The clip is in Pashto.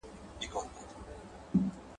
اختر پټ مېړه نه دئ.